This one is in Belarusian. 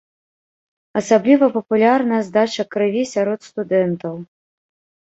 Асабліва папулярная здача крыві сярод студэнтаў.